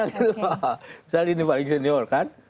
misalnya ini paling senior kan